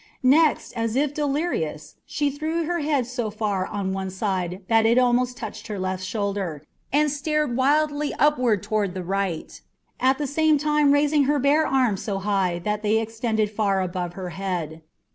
Next, as if delirious, she threw her head so far on one side that it almost touched her left shoulder, and stared wildly upward toward the right, at the same time raising her bare arms so high that they extended far above her head.